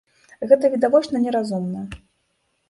Гэта відавочна не разумна.